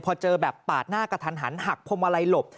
พอเจอแบบปาดหน้ากระทันหันหักพวงมาลัยหลบ